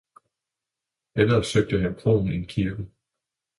Hellere søgte han kroen end kirken.